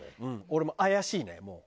俺も怪しいねもう。